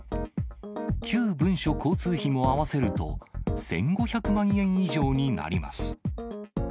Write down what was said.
旧文書交通費も合わせると、１５００万円以上になります。